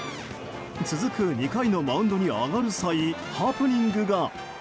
続く２回のマウンドに上がる際ハプニングが。